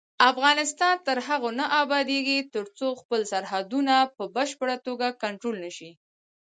افغانستان تر هغو نه ابادیږي، ترڅو خپل سرحدونه په بشپړه توګه کنټرول نشي.